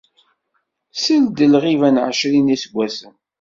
Seld lɣiba n εecrin n yiseggasen.